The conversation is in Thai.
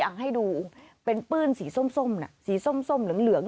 ให้ดูเป็นปื้นสีส้มน่ะสีส้มเหลืองเหลือง